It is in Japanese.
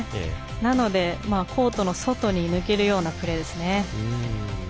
なのでコートの外に抜けるようなプレーですね。